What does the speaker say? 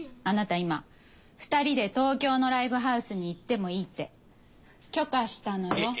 あなた今２人で東京のライブハウスに行ってもいいって許可したのよ。